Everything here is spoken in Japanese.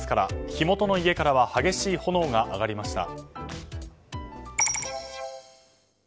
火元の家からは激しい炎が上がりました。